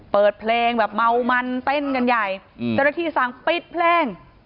เปิดเพลงแบบเมามันเต้นกันใหญ่เจ้าหน้าที่สั่งปิดเพลง